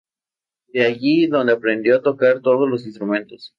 Fue allí donde aprendió a tocar todos los instrumentos.